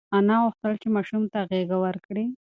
انا غوښتل چې ماشوم ته غېږه ورکړي.